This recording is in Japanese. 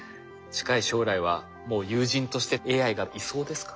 近い将来はもう友人としてＡＩがいそうですか？